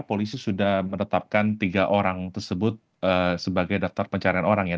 polisi sudah menetapkan tiga orang tersebut sebagai daftar pencarian orang ya